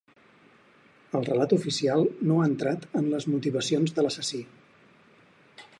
El relat oficial no ha entrat en les motivacions de l'assassí.